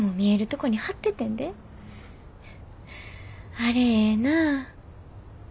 あれええなあ。